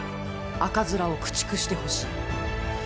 赤面を駆逐してほしい！